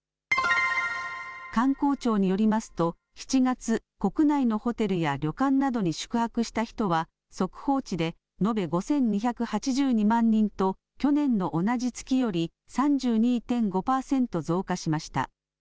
観光庁によりますと７月、国内のホテルや旅館などに宿泊した人は速報値で延べ５２８２万人と去年の同じ月より３２．５％増加しました。